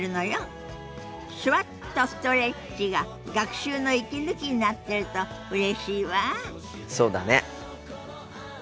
「手話っとストレッチ」が学習の息抜きになってるとうれしいわあ。